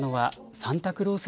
サンタクロース！